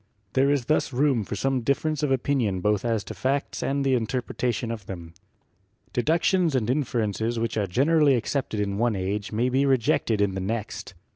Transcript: There is thus room for some difference of opinion both as to facts and the interpreta tion of them. Deductions and inferences which are gener ally accepted in one age may be rejected in the next.